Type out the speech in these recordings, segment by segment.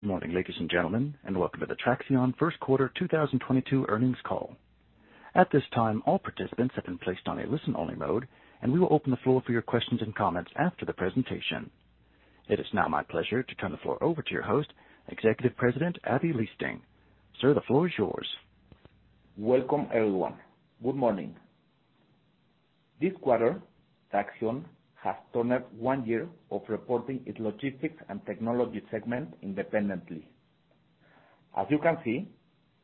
Good morning, ladies and gentlemen, and welcome to the Traxión first quarter 2022 earnings call. At this time, all participants have been placed on a listen-only mode, and we will open the floor for your questions and comments after the presentation. It is now my pleasure to turn the floor over to your host, Executive President, Aby Lijtszain. Sir, the floor is yours. Welcome, everyone. Good morning. This quarter, Traxión has turned one year of reporting its Logistics and Technology segment independently. As you can see,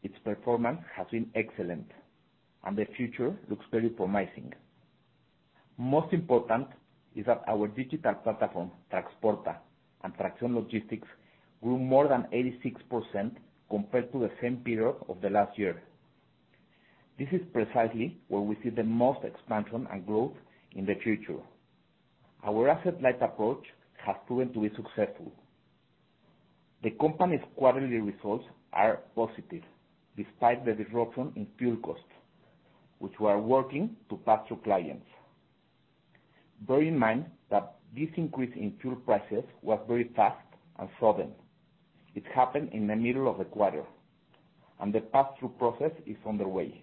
its performance has been excellent, and the future looks very promising. Most important is that our digital platform, Traxporta, and Traxión Logistics grew more than 86% compared to the same period of the last year. This is precisely where we see the most expansion and growth in the future. Our asset-light approach has proven to be successful. The company's quarterly results are positive despite the disruption in fuel costs, which we are working to pass through clients. Bear in mind that this increase in fuel prices was very fast and sudden. It happened in the middle of the quarter, and the pass-through process is underway.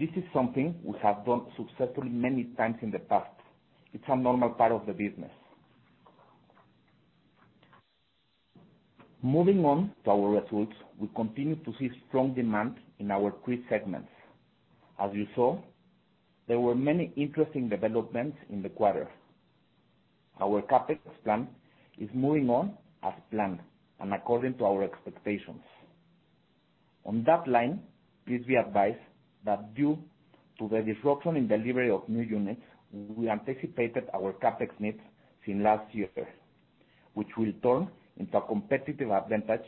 This is something we have done successfully many times in the past. It's a normal part of the business. Moving on to our results, we continue to see strong demand in our three segments. As you saw, there were many interesting developments in the quarter. Our CapEx plan is moving on as planned and according to our expectations. On that line, please be advised that due to the disruption in delivery of new units, we anticipated our CapEx needs since last year, which will turn into a competitive advantage,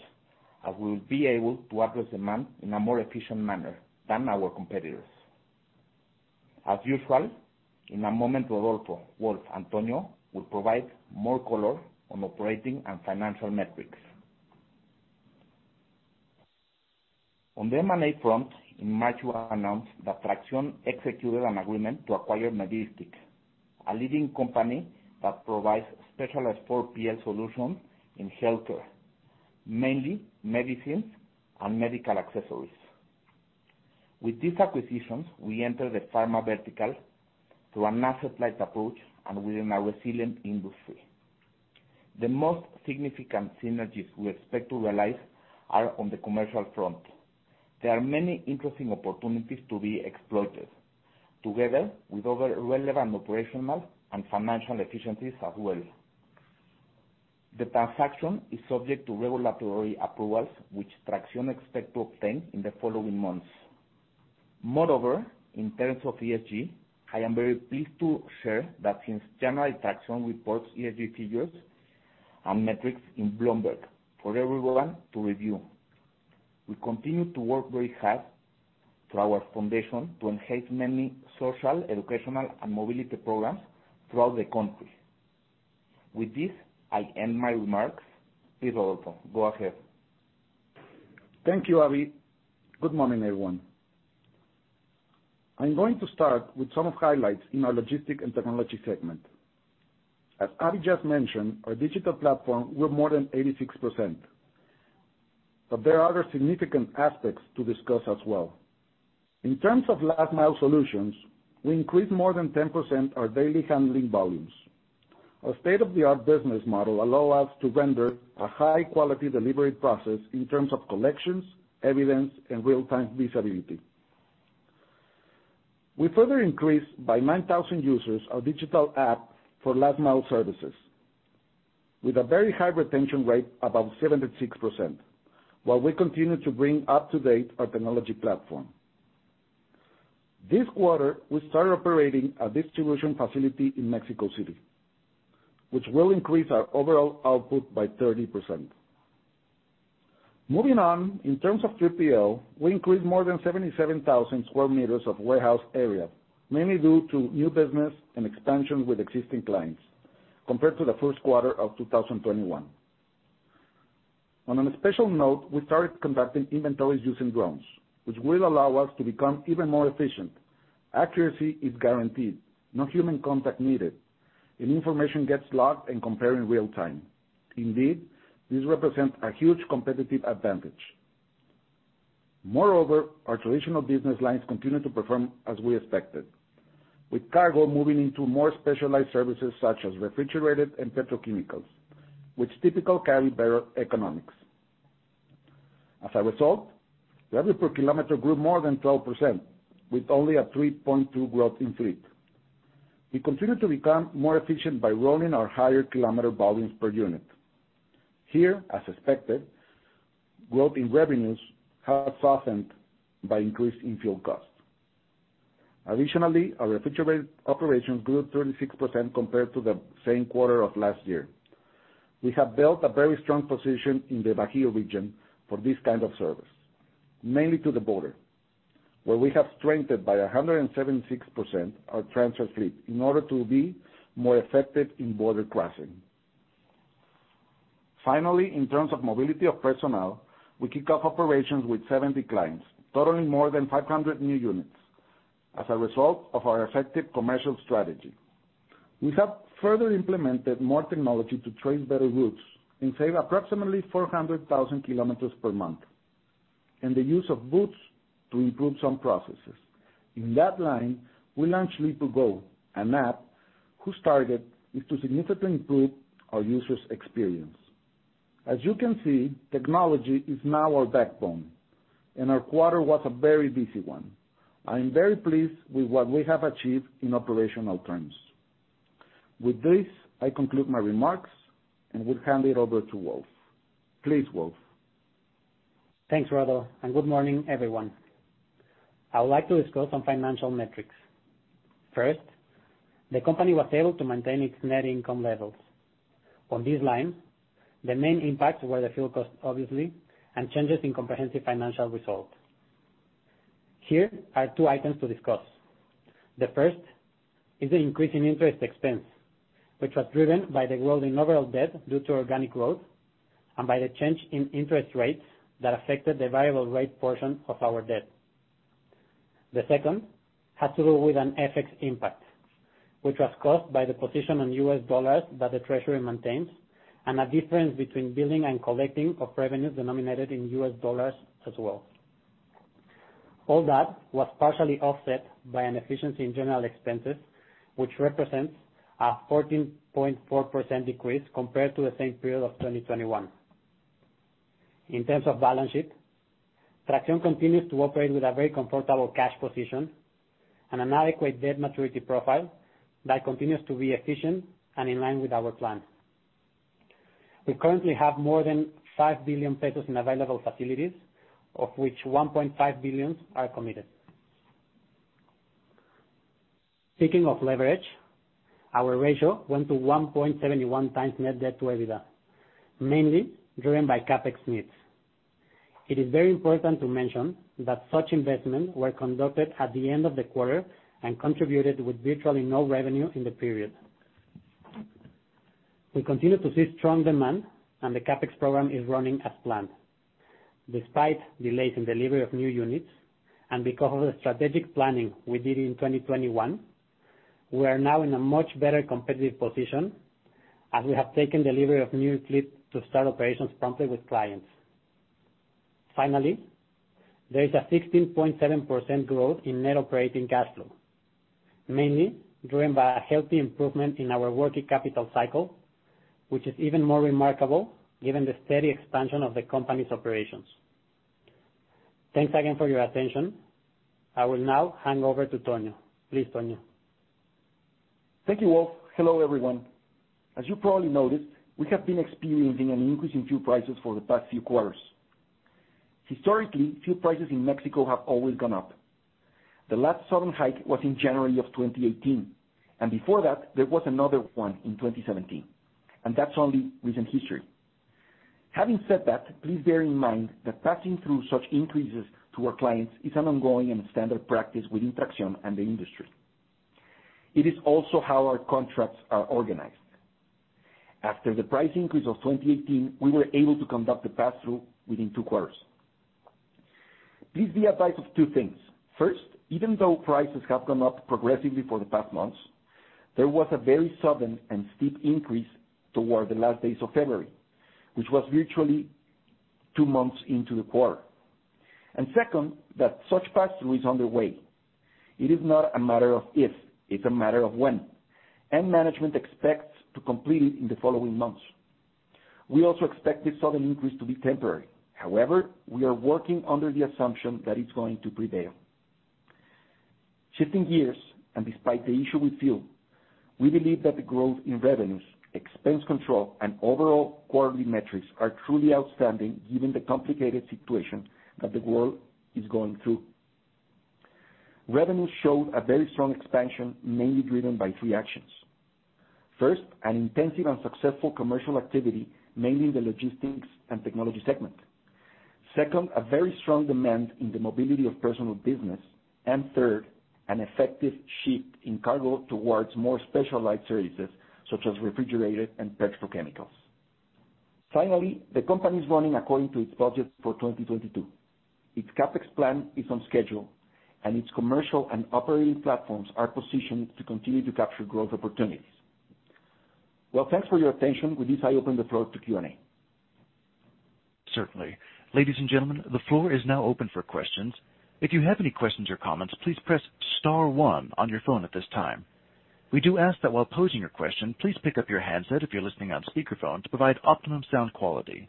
and we'll be able to address demand in a more efficient manner than our competitors. As usual, in a moment, Rodolfo, Wolf, Antonio will provide more color on operating and financial metrics. On the M&A front, in March, we announced that Traxión executed an agreement to acquire Medistik, a leading company that provides specialized 4PL solution in healthcare, mainly medicines and medical accessories. With this acquisition, we enter the pharma vertical through an asset-light approach and within a resilient industry. The most significant synergies we expect to realize are on the commercial front. There are many interesting opportunities to be exploited, together with other relevant operational and financial efficiencies as well. The transaction is subject to regulatory approvals, which Traxión expect to obtain in the following months. Moreover, in terms of ESG, I am very pleased to share that since January, Traxión reports ESG figures and metrics in Bloomberg for everyone to review. We continue to work very hard through our foundation to enhance many social, educational, and mobility programs throughout the country. With this, I end my remarks. Please, Rodolfo, go ahead. Thank you, Aby. Good morning, everyone. I'm going to start with some highlights in our Logistics and Technology segment. As Aby just mentioned, our digital platform grew more than 86%, but there are other significant aspects to discuss as well. In terms of last-mile solutions, we increased more than 10% our daily handling volumes. Our state-of-the-art business model allow us to render a high-quality delivery process in terms of collections, evidence, and real-time visibility. We further increased by 9,000 users our digital app for last-mile services with a very high retention rate, about 76%, while we continue to bring up to date our technology platform. This quarter, we started operating a distribution facility in Mexico City, which will increase our overall output by 30%. Moving on, in terms of 3PL, we increased more than 77,000 sq m of warehouse area, mainly due to new business and expansion with existing clients compared to the first quarter of 2021. On a special note, we started conducting inventories using drones, which will allow us to become even more efficient. Accuracy is guaranteed, no human contact needed, and information gets logged and compared in real time. Indeed, this represents a huge competitive advantage. Moreover, our traditional business lines continue to perform as we expected. With cargo moving into more specialized services, such as refrigerated and petrochemicals, which typically carry better economics. As a result, revenue per kilometer grew more than 12% with only a 3.2% growth in fleet. We continue to become more efficient by rolling our higher kilometer volumes per unit. Here, as expected, growth in revenues have softened by increase in fuel costs. Additionally, our refrigerated operation grew 36% compared to the same quarter of last year. We have built a very strong position in the Bajío region for this kind of service, mainly to the border, where we have strengthened by 176% our transfer fleet in order to be more effective in border crossing. Finally, in terms of Mobility of Personnel, we kick off operations with 70 clients totaling more than 500 new units as a result of our effective commercial strategy. We have further implemented more technology to trace better routes and save approximately 400,000 km per month, and the use of bots to improve some processes. In that line, we launched LiPU Go, an app whose target is to significantly improve our user's experience. As you can see, technology is now our backbone, and our quarter was a very busy one. I am very pleased with what we have achieved in operational terms. With this, I conclude my remarks and would hand it over to Wolf. Please, Wolf. Thanks, Rodolfo, and good morning, everyone. I would like to discuss some financial metrics. First, the company was able to maintain its net income levels. On this line, the main impacts were the fuel costs, obviously, and changes in comprehensive financial results. Here are two items to discuss. The first is the increase in interest expense, which was driven by the growing overall debt due to organic growth and by the change in interest rates that affected the variable rate portion of our debt. The second had to do with an FX impact, which was caused by the position in U.S. dollars that the treasury maintains and a difference between billing and collecting of revenues denominated in U.S. dollars as well. All that was partially offset by an efficiency in general expenses, which represents a 14.4% decrease compared to the same period of 2021. In terms of balance sheet, Traxión continues to operate with a very comfortable cash position and an adequate debt maturity profile that continues to be efficient and in line with our plan. We currently have more than 5 billion pesos in available facilities, of which 1.5 billion are committed. Speaking of leverage, our ratio went to 1.71x net debt to EBITDA, mainly driven by CapEx needs. It is very important to mention that such investments were conducted at the end of the quarter and contributed with virtually no revenue in the period. We continue to see strong demand, and the CapEx program is running as planned. Despite delays in delivery of new units, and because of the strategic planning we did in 2021, we are now in a much better competitive position as we have taken delivery of new fleet to start operations promptly with clients. Finally, there is a 16.7% growth in net operating cash flow, mainly driven by a healthy improvement in our working capital cycle, which is even more remarkable given the steady expansion of the company's operations. Thanks again for your attention. I will now hand over to Antonio. Please, Antonio. Thank you, Wolf. Hello, everyone. As you probably noticed, we have been experiencing an increase in fuel prices for the past few quarters. Historically, fuel prices in Mexico have always gone up. The last sudden hike was in January of 2018, and before that there was another one in 2017, and that's only recent history. Having said that, please bear in mind that passing through such increases to our clients is an ongoing and standard practice within Traxión and the industry. It is also how our contracts are organized. After the price increase of 2018, we were able to conduct the pass-through within two quarters. Please be advised of two things. First, even though prices have gone up progressively for the past months, there was a very sudden and steep increase toward the last days of February, which was virtually two months into the quarter. Second, that such pass-through is underway. It is not a matter of if, it's a matter of when, and management expects to complete it in the following months. We also expect this sudden increase to be temporary. However, we are working under the assumption that it's going to prevail. Shifting gears, and despite the issue with fuel, we believe that the growth in revenues, expense control, and overall quarterly metrics are truly outstanding given the complicated situation that the world is going through. Revenues showed a very strong expansion, mainly driven by three actions. First, an intensive and successful commercial activity, mainly in the logistics and technology segment. Second, a very strong demand in the mobility of personnel business. Third, an effective shift in cargo towards more specialized services such as refrigerated and petrochemicals. Finally, the company is running according to its budget for 2022. Its CapEx plan is on schedule, and its commercial and operating platforms are positioned to continue to capture growth opportunities. Well, thanks for your attention. With this, I open the floor to Q&A. Certainly. Ladies and gentlemen, the floor is now open for questions. If you have any questions or comments, please press star one on your phone at this time. We do ask that while posing your question, please pick up your handset if you're listening on speakerphone to provide optimum sound quality.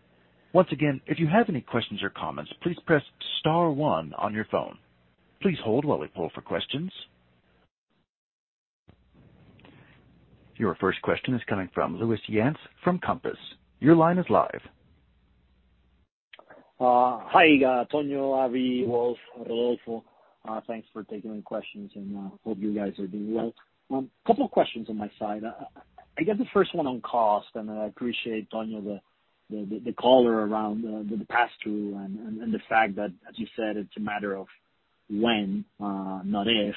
Once again, if you have any questions or comments, please press star one on your phone. Please hold while we poll for questions. Your first question is coming from Luis Yance from Compass. Your line is live. Hi, Antonio, Aby, Wolf, Rodolfo. Thanks for taking questions, and hope you guys are doing well. Couple of questions on my side. I guess the first one on cost, and I appreciate, Antonio, the color around the pass-through and the fact that, as you said, it's a matter of when, not if.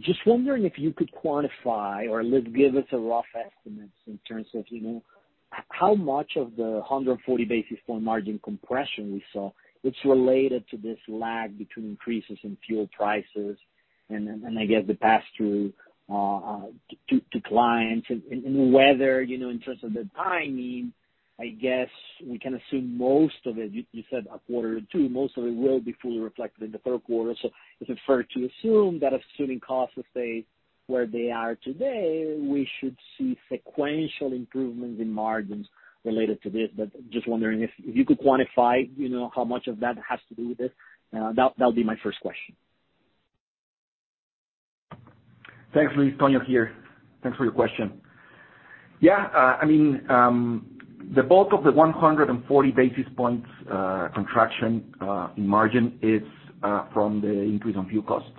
Just wondering if you could quantify or at least give us a rough estimate in terms of how much of the 140 basis point margin compression we saw, it's related to this lag between increases in fuel prices and I guess the pass-through to clients. Whether, you know, in terms of the timing, I guess we can assume most of it. You said a quarter or two, most of it will be fully reflected in the third quarter. Is it fair to assume that assuming costs will stay where they are today, we should see sequential improvements in margins related to this? Just wondering if you could quantify, you know, how much of that has to do with this? That'll be my first question. Thanks, Luis. Antonio here. Thanks for your question. Yeah. I mean, the bulk of the 140 basis points contraction in margin is from the increase on fuel cost.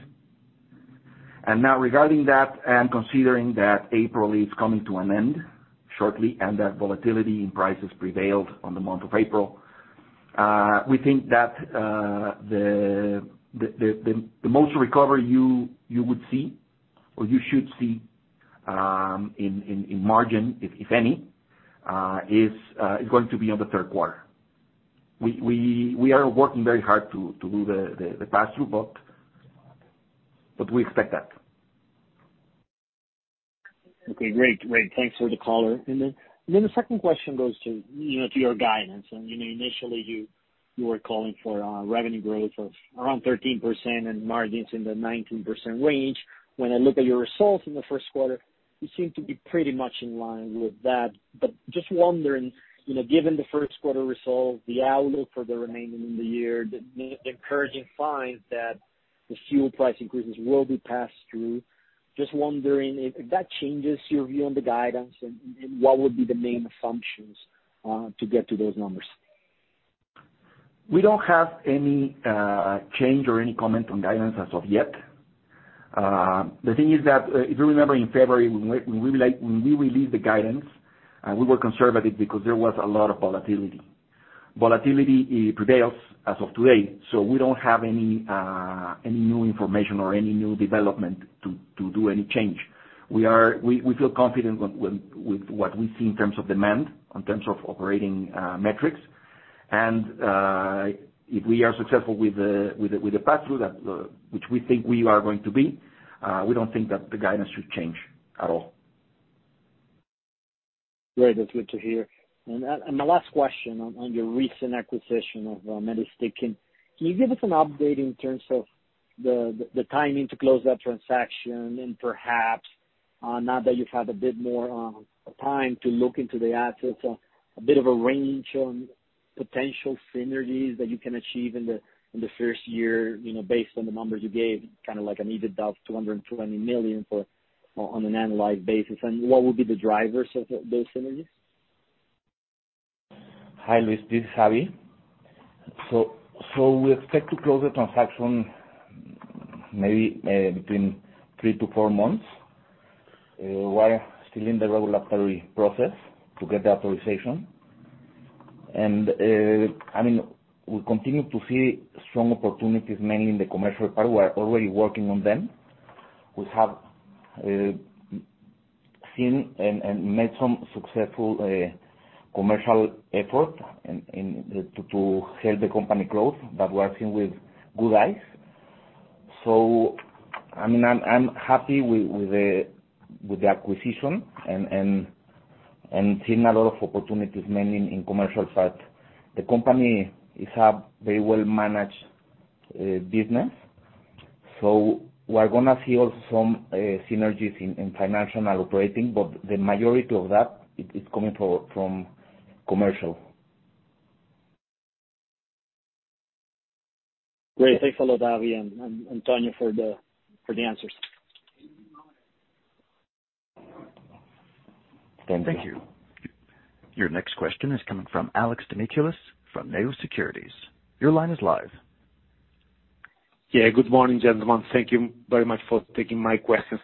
Now regarding that, considering that April is coming to an end shortly, and that volatility in prices prevailed on the month of April, we think that the most recovery you would see or you should see in margin, if any, is going to be on the third quarter. We are working very hard to do the pass-through, but we expect that. Okay, great. Thanks for the color. The second question goes to, you know, to your guidance. You know, initially you were calling for revenue growth of around 13% and margins in the 19% range. When I look at your results in the first quarter, you seem to be pretty much in line with that. Just wondering, you know, given the first quarter results, the outlook for the remaining of the year, the encouraging find that the fuel price increases will be passed through, just wondering if that changes your view on the guidance and what would be the main assumptions to get to those numbers? We don't have any change or any comment on guidance as of yet. The thing is that if you remember in February when we released the guidance, we were conservative because there was a lot of volatility. Volatility prevails as of today, so we don't have any new information or any new development to do any change. We feel confident with what we see in terms of demand, in terms of operating metrics. If we are successful with the pass-through, which we think we are going to be, we don't think that the guidance should change at all. Great. That's good to hear. My last question on your recent acquisition of Medistik. Can you give us an update in terms of the timing to close that transaction and perhaps, now that you've had a bit more time to look into the assets, a bit of a range on potential synergies that you can achieve in the first year, you know, based on the numbers you gave, kind of like an EBITDA of 220 million on an annualized basis, and what would be the drivers of those synergies? Hi, Luis. This is Aby. We expect to close the transaction maybe between three to four months. We are still in the regulatory process to get the authorization. I mean, we continue to see strong opportunities, mainly in the commercial part. We are already working on them. We have seen and made some successful commercial effort to help the company growth that we are seeing with good eyes. I mean, I'm happy with the acquisition and seeing a lot of opportunities, mainly in commercial side. The company has very well managed business. We are gonna see also some synergies in financial and operating, but the majority of that is coming from commercial. Great. Thanks a lot, Aby and Antonio for the answers. Thank you. Thank you. Your next question is coming from Alejandro Demichelis from Nau Securities. Your line is live. Yeah. Good morning, gentlemen. Thank you very much for taking my questions.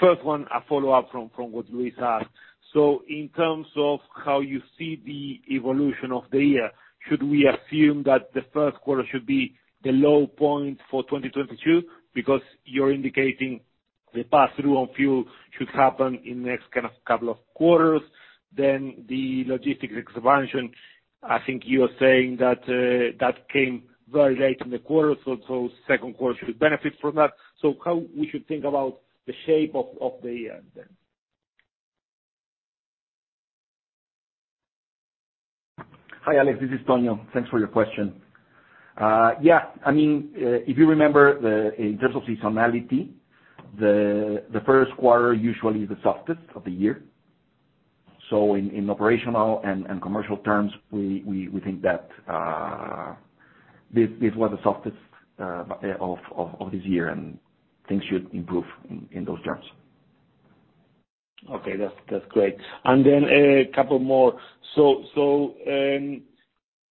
First one, a follow-up from what Luis asked. In terms of how you see the evolution of the year, should we assume that the first quarter should be the low point for 2022? Because you're indicating the pass-through on fuel should happen in the next couple of quarters. Then the logistics expansion, I think you are saying that came very late in the quarter, so second quarter should benefit from that. How we should think about the shape of the year then? Hi, Alejandro. This is Antonio. Thanks for your question. Yeah. I mean, if you remember, in terms of seasonality, the first quarter usually the softest of the year. In operational and commercial terms, we think that this was the softest of this year, and things should improve in those terms. Okay. That's great. Couple more.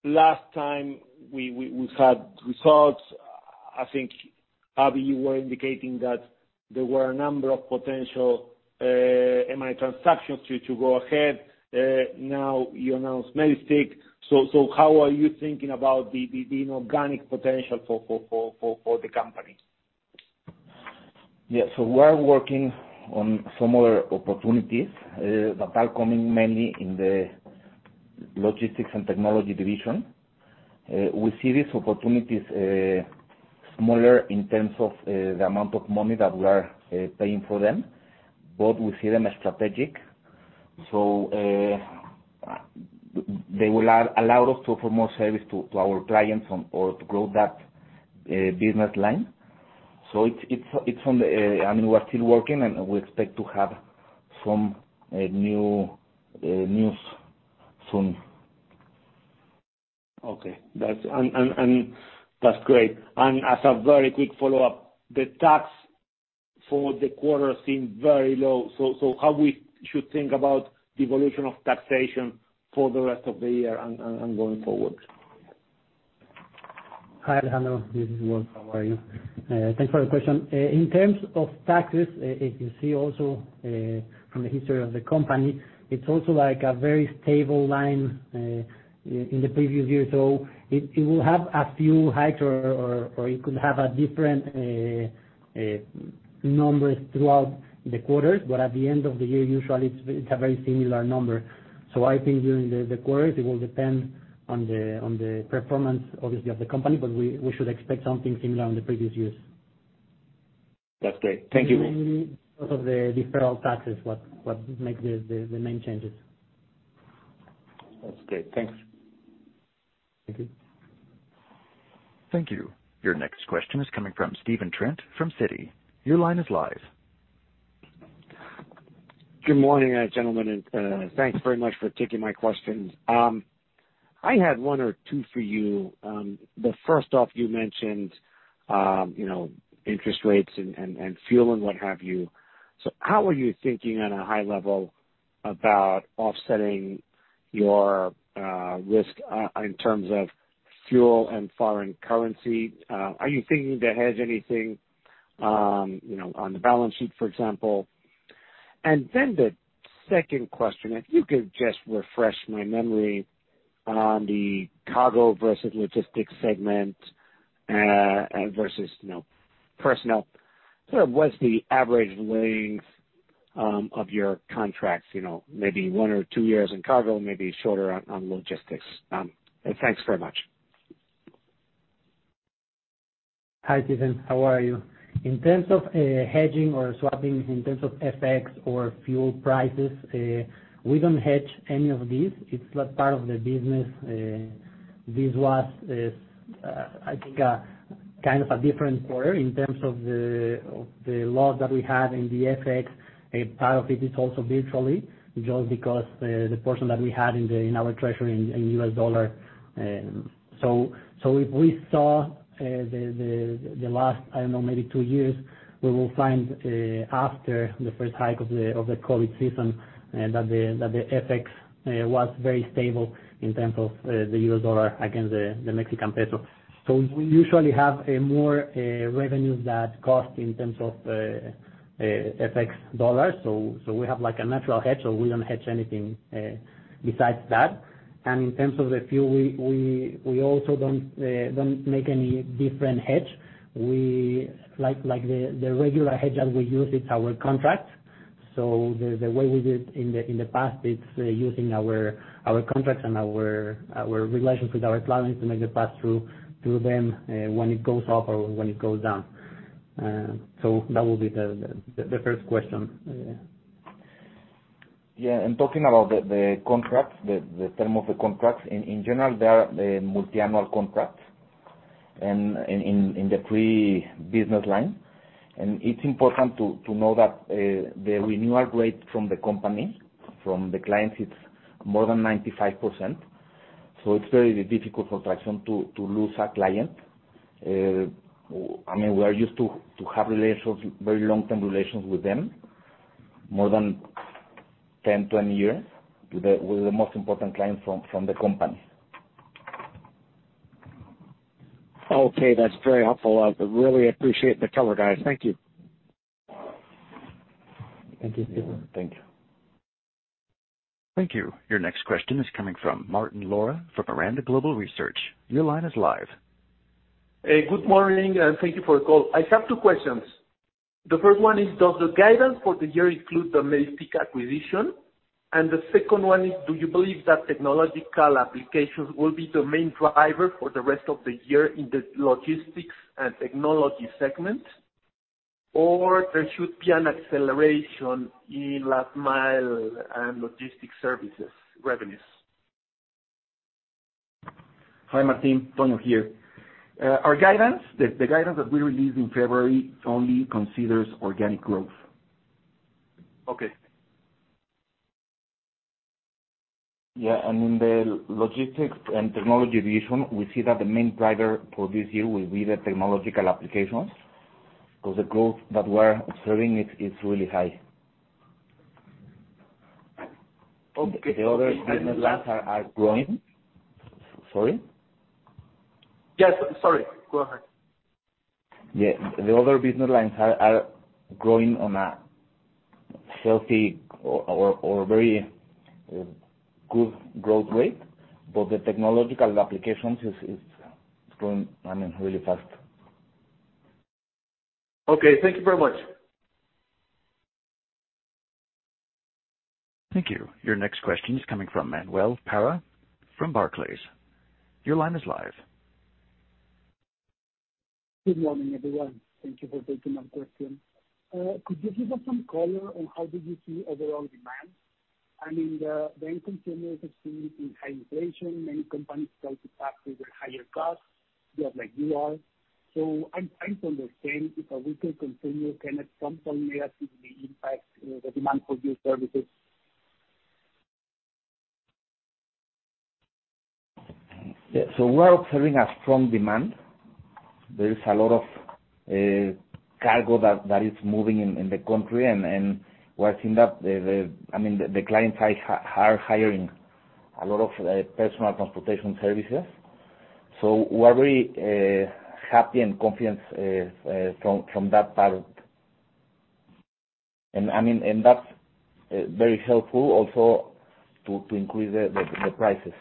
Last time we had results, I think, Aby, you were indicating that there were a number of potential M&A transactions to go ahead. Now you announced Medistik. How are you thinking about the inorganic potential for the company? Yeah. We are working on some other opportunities that are coming mainly in the Logistics and Technology division. We see these opportunities smaller in terms of the amount of money that we are paying for them, but we see them as strategic. They will allow us to offer more service to our clients and or to grow that business line. I mean, we're still working and we expect to have some new news soon. Okay. That's great. As a very quick follow-up, the tax for the quarter seemed very low. How should we think about the evolution of taxation for the rest of the year and going forward? Hi, Alejandro. This is Wolf. How are you? Thanks for the question. In terms of taxes, if you see also from the history of the company, it's also like a very stable line in the previous years. It will have a few hikes or it could have different numbers throughout the quarters, but at the end of the year, usually it's a very similar number. I think during the quarters, it will depend on the performance, obviously of the company, but we should expect something similar in the previous years. That's great. Thank you, Wolf. Mainly because of the deferred taxes, what makes the main changes. That's great. Thanks. Thank you. Thank you. Your next question is coming from Stephen Trent from Citi. Your line is live. Good morning, gentlemen, and thanks very much for taking my questions. I had one or two for you. First off, you mentioned, you know, interest rates and fuel and what have you. How are you thinking on a high level about offsetting your risk in terms of fuel and foreign currency? Are you thinking to hedge anything, you know, on the balance sheet, for example? The second question, if you could just refresh my memory on the cargo versus logistics segment versus, you know, personnel. Sort of what's the average length of your contracts? You know, maybe one or two years in cargo, maybe shorter on logistics. And thanks very much. Hi, Stephen. How are you? In terms of hedging or swapping, in terms of FX or fuel prices, we don't hedge any of these. It's not part of the business. This was, I think, a kind of different quarter in terms of the loss that we had in the FX. A part of it is also virtually just because the portion that we had in our treasury in U.S. dollar. So if we saw the last, I don't know, maybe two years, we will find after the first hike of the COVID season that the FX was very stable in terms of the U.S. dollar against the Mexican peso. We usually have more revenues than costs in terms of FX dollar. We have like a natural hedge, so we don't hedge anything besides that. In terms of the fuel, we also don't make any different hedge. Like the regular hedge that we use, it's our contract. The way we did in the past, it's using our contracts and our relations with our clients to make it pass through to them when it goes up or when it goes down. That will be the first question. Yeah. Talking about the contracts, the term of the contracts, in the three business lines. It's important to know that the renewal rate from the company, from the clients, it's more than 95%. It's very difficult for Traxión to lose a client. I mean, we are used to have relations, very long-term relations with them, more than 10, 20 years, with the most important clients from the company. Okay. That's very helpful. I really appreciate the color, guys. Thank you. Thank you, Stephen. Thank you. Thank you. Your next question is coming from Martín Lara from Miranda Global Research. Your line is live. Hey, good morning, and thank you for the call. I have two questions. The first one is, does the guidance for the year include the Medistik acquisition? The second one is, do you believe that technological applications will be the main driver for the rest of the year in the logistics and technology segment? Or there should be an acceleration in last-mile and logistics services revenues? Hi, Martín. Antonio here. Our guidance, the guidance that we released in February only considers organic growth. Okay. Yeah. In the Logistics and Technology division, we see that the main driver for this year will be the technological applications, because the growth that we're observing it is really high. Okay. The other business lines are growing. Sorry? Yes. Sorry. Go ahead. Yeah. The other business lines are growing on a healthy or very good growth rate, but the technological applications is growing, I mean, really fast. Okay. Thank you very much. Thank you. Your next question is coming from Manuel Parra from Barclays. Your line is live. Good morning, everyone. Thank you for taking my question. Could you give us some color on how do you see overall demand? I mean, the end consumers are seeing high inflation. Many companies try to pass through their higher costs just like you are. I'm understanding if a weaker consumer can at some point negatively impact the demand for your services. Yeah. We are observing a strong demand. There is a lot of cargo that is moving in the country and we're seeing that. I mean, the clients are hiring a lot of personal transportation services. We're very happy and confident from that part. I mean, that's very helpful also to increase the prices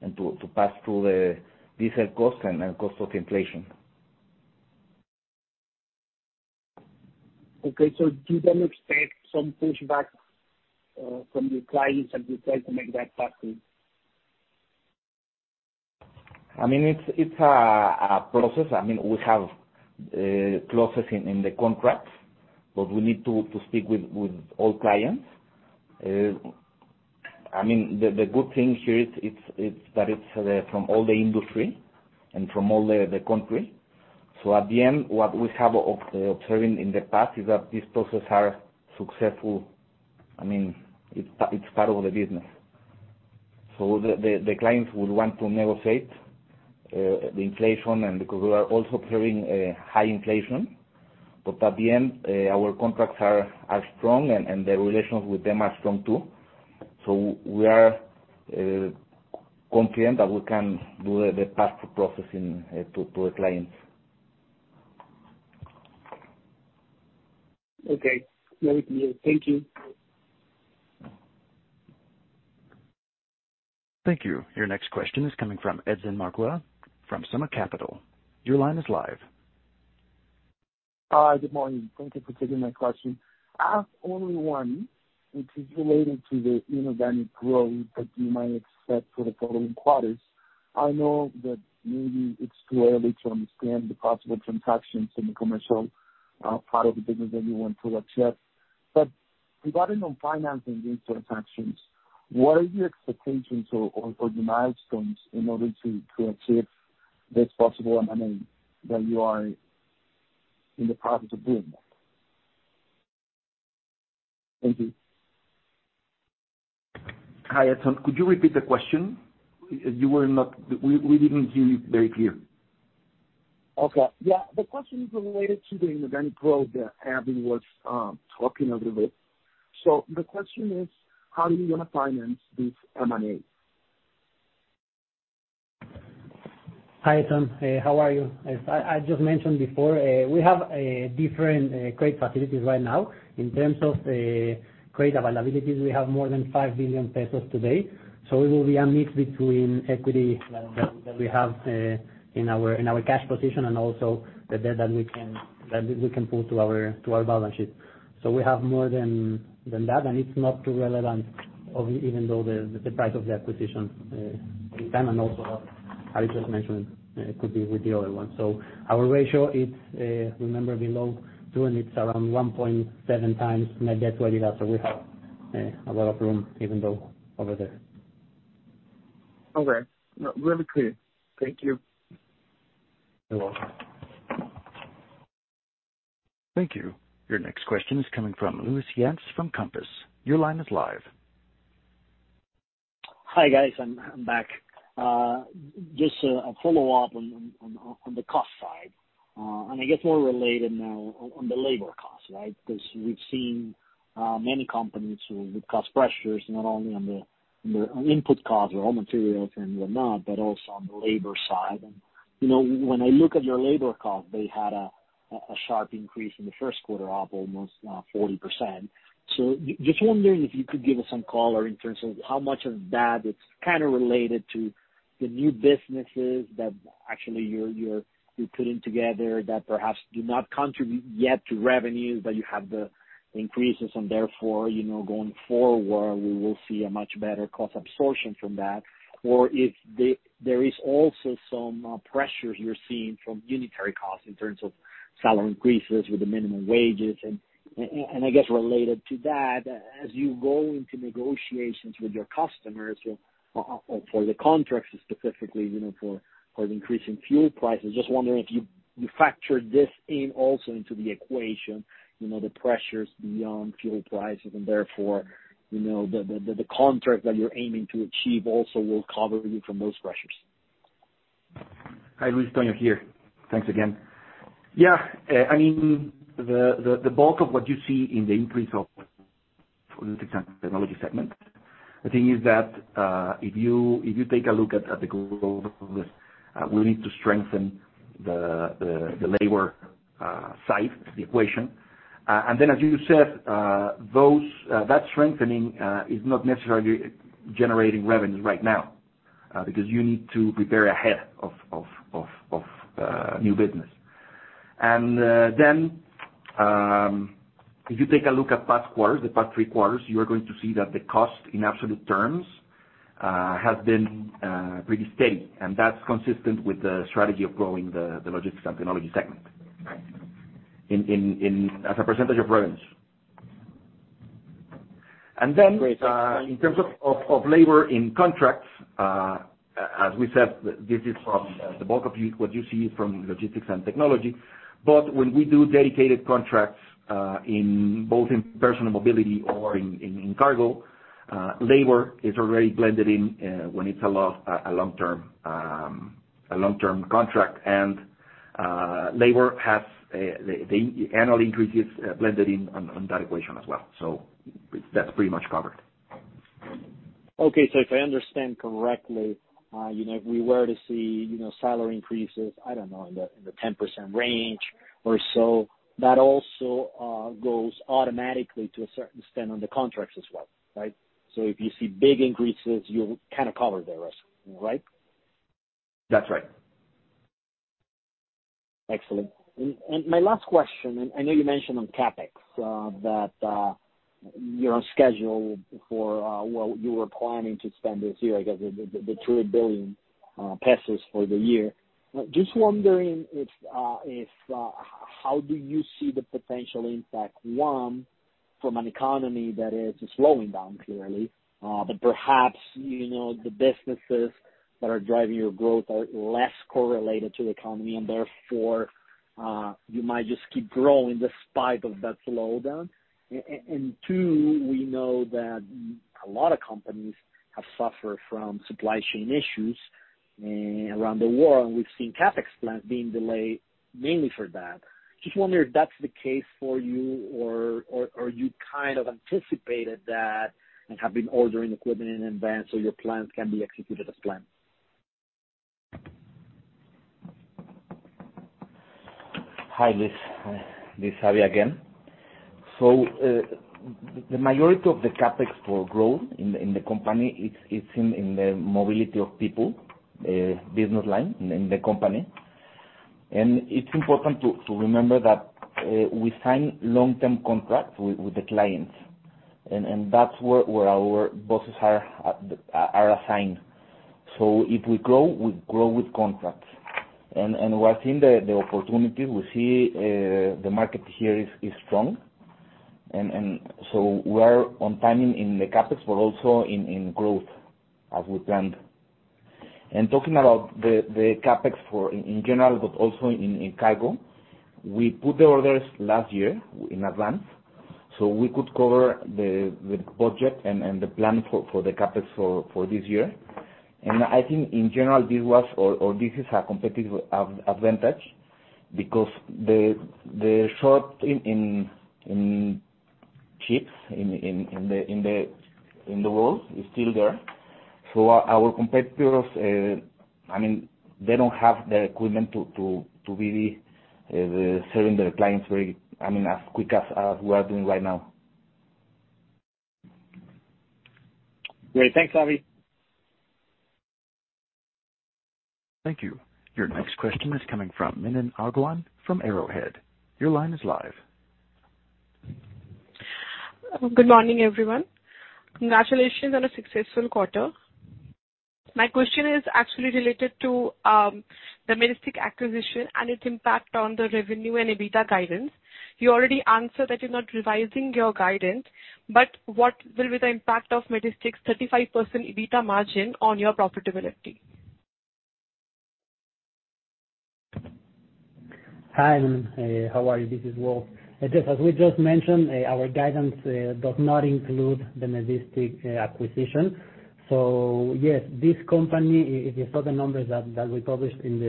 and to pass through the diesel cost and cost of inflation. Okay. Do you then expect some pushback from your clients as you try to make that pass through? I mean, it's a process. I mean, we have clauses in the contracts, but we need to speak with all clients. I mean, the good thing here is that it's from all the industry and from all the country. At the end, what we have observed in the past is that these processes are successful. I mean, it's part of the business. The clients will want to negotiate the inflation and because we are also carrying a high inflation. At the end, our contracts are strong and the relations with them are strong too. We are confident that we can do the pass through process to the clients. Okay. Very clear. Thank you. Thank you. Your next question is coming from Edson Murguia from SummaCap. Your line is live. Hi. Good morning. Thank you for taking my question. I have only one, which is related to the inorganic growth that you might expect for the following quarters. I know that maybe it's too early to understand the possible transactions in the commercial part of the business that you want to accept. Regarding on financing these transactions, what are your expectations or the milestones in order to achieve this possible M&A that you are in the process of doing that? Thank you. Hi, Edson. Could you repeat the question? We didn't hear you very clear. Okay. Yeah. The question is related to the inorganic growth that Aby was talking a little bit. The question is, how do you wanna finance this M&A? Hi, Edson. How are you? As I just mentioned before, we have different credit facilities right now. In terms of credit availabilities, we have more than 5 billion pesos today. It will be a mix between equity that we have in our cash position and also the debt that we can pull to our balance sheet. We have more than that. It's not too relevant even though the price of the acquisition in time and also as you just mentioned could be with the other one. Our ratio is, remember, below two, and it's around 1.7x net debt to EBITDA. We have a lot of room even though over there. Okay. No, really clear. Thank you. You're welcome. Thank you. Your next question is coming from Luis Yance from Compass. Your line is live. Hi, guys. I'm back. Just a follow-up on the cost side, and I guess more related now on the labor cost, right? Because we've seen many companies with cost pressures, not only on the input costs or raw materials and whatnot, but also on the labor side. You know, when I look at your labor costs, they had a sharp increase in the first quarter of almost 40%. Just wondering if you could give us some color in terms of how much of that is kind of related to the new businesses that actually you're putting together that perhaps do not contribute yet to revenue, but you have the increases and therefore, you know, going forward, we will see a much better cost absorption from that. If there is also some pressures you're seeing from unit costs in terms of salary increases with the minimum wages. I guess related to that, as you go into negotiations with your customers or for the contracts specifically, you know, for the increase in fuel prices, just wondering if you factor this in also into the equation, you know, the pressures beyond fuel prices and therefore, you know, the contract that you're aiming to achieve also will cover you from those pressures. Hi, Luis. Antonio here. Thanks again. Yeah. I mean, the bulk of what you see in the increase of Logistics and Technology segment. The thing is that, if you take a look at the global, we need to strengthen the labor side of the equation. Then as you said, that strengthening is not necessarily generating revenue right now, because you need to prepare ahead of new business. Then, if you take a look at past quarters, the past three quarters, you are going to see that the cost in absolute terms has been pretty steady, and that's consistent with the strategy of growing the Logistics and Technology segment. Right. As a percentage of revenues. In terms of labor in contracts, as we said, this is from the bulk of what you see from Logistics and Technology. But when we do dedicated contracts, in both people mobility or in cargo mobility, labor is already blended in, when it's a long-term contract. Labor has the annual increases blended in on that equation as well. That's pretty much covered. Okay. If I understand correctly, you know, if we were to see, you know, salary increases, I don't know, in the 10% range or so, that also goes automatically to a certain extent on the contracts as well, right? If you see big increases, you kind of cover the risk, right? That's right. Excellent. My last question, and I know you mentioned on CapEx that you're on schedule for, well, you were planning to spend this year, I guess, the 2 billion pesos for the year. Just wondering if how do you see the potential impact, one, from an economy that is slowing down clearly, but perhaps, you know, the businesses that are driving your growth are less correlated to the economy, and therefore you might just keep growing despite of that slowdown. And two, we know that a lot of companies have suffered from supply chain issues around the world, and we've seen CapEx plans being delayed mainly for that. Just wondering if that's the case for you or you kind of anticipated that and have been ordering equipment in advance, so your plans can be executed as planned. Hi, Luis. This is Aby again. The majority of the CapEx for growth in the company is in the mobility of people business line in the company. It's important to remember that we sign long-term contracts with the clients. That's where our buses are assigned. If we grow, we grow with contracts. We're seeing the opportunity. We see the market here is strong. We're on time in the CapEx, but also in growth as we planned. Talking about the CapEx in general, but also in cargo, we put the orders last year in advance, so we could cover the budget and the plan for the CapEx for this year. I think in general, this is a competitive advantage because the chip shortage in the world is still there. Our competitors, I mean they don't have the equipment to really serve their clients very, I mean, as quick as we are doing right now. Great. Thanks, Aby. Thank you. Your next question is coming from Milan Aggarwal from Arrowhead. Your line is live. Good morning, everyone. Congratulations on a successful quarter. My question is actually related to the Medistik acquisition and its impact on the revenue and EBITDA guidance. You already answered that you're not revising your guidance, but what will be the impact of Medistik's 35% EBITDA margin on your profitability? Hi, Milan. How are you? This is Wolf. Just as we just mentioned, our guidance does not include the Medistik acquisition. Yes, this company, if you saw the numbers that we published in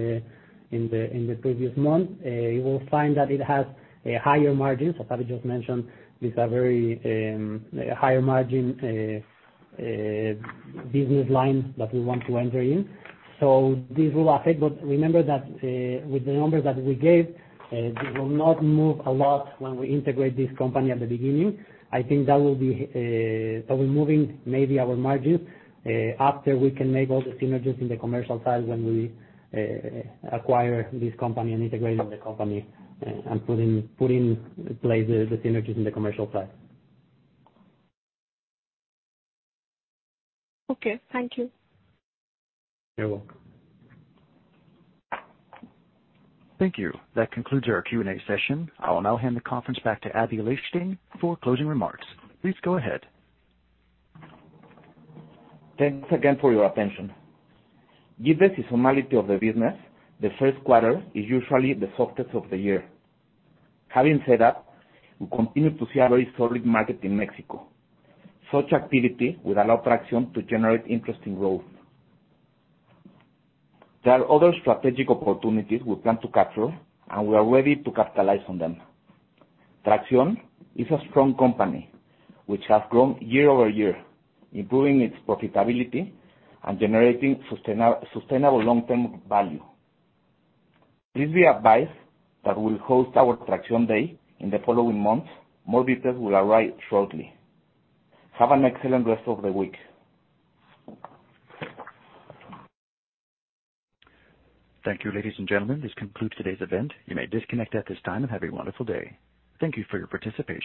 the previous month, you will find that it has a higher margin. As Aby just mentioned, it's a very higher margin business line that we want to enter in. This will affect, but remember that, with the numbers that we gave, this will not move a lot when we integrate this company at the beginning. I think that will be that we're moving maybe our margins after we can make all the synergies in the commercial side when we acquire this company and integrate the company and put in place the synergies in the commercial side. Okay. Thank you. You're welcome. Thank you. That concludes our Q&A session. I will now hand the conference back to Aby Lijtszain for closing remarks. Please go ahead. Thanks again for your attention. Given the seasonality of the business, the first quarter is usually the softest of the year. Having said that, we continue to see a very solid market in Mexico. Such activity will allow Traxión to generate interesting growth. There are other strategic opportunities we plan to capture, and we are ready to capitalize on them. Traxión is a strong company which has grown year-over-year, improving its profitability and generating sustainable long-term value. Please be advised that we'll host our Traxión Day in the following months. More details will arrive shortly. Have an excellent rest of the week. Thank you, ladies and gentlemen. This concludes today's event. You may disconnect at this time and have a wonderful day. Thank you for your participation.